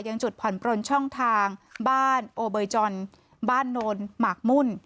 ยังจุดผ่อนปลนช่องทางบ้านโอเบยจอนบ้านโนนหมากมุ่น